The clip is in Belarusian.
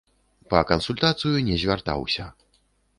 Па кансультацыю не звяртаўся.